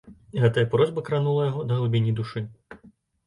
Гэтая просьба кранула яго да глыбіні душы.